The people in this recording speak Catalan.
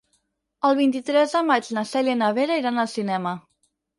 El vint-i-tres de maig na Cèlia i na Vera iran al cinema.